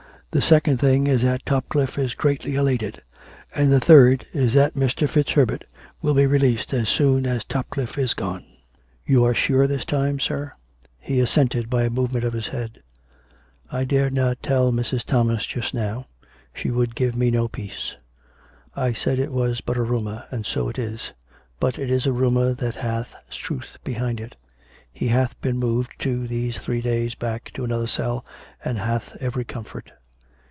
The second thing is that Topcliffe is greatly elated; and the third is that Mr. FitzHerbert will be released as soon as Topcliffe is gone." " You are sure this time, sir ?" He assented by a movement of his head. " I dared not tell Mrs. Thomas just now. She would give me no peace. I said it was but a rumour, and so it is; but it is a rumour that hath truth behind it. He hath been moved, too, these three days back, to another cell, and hath every comfort."